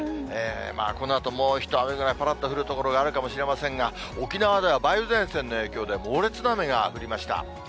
このあともう一雨ぐらい、ぱらっと降る所があるかもしれませんが、沖縄では梅雨前線の影響で、猛烈な雨が降りました。